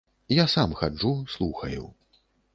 Я сам хаджу, слухаю.